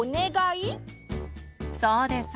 そうです！